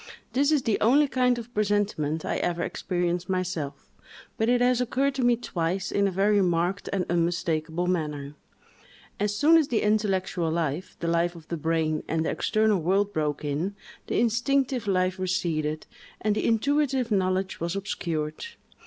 This is the only kind of presentiment I ever experienced myself; but it has occurred to me twice, in a very marked and unmistakable manner. As soon as the intellectual life, the life of the brain, and the external world, broke in, the instinctive life receded, and the intuitive knowledge was obscured.